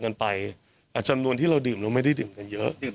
กันไปอาจจำนวนที่เราดื่มเราไม่ได้ดื่มเยอะตั้งแต่ที่ร้าน